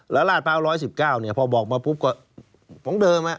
แล้วราเภาจริงร้อยสิบเก้าเนี่ยพอบอกมาปุ๊บก็พร้อมเดิมน่ะ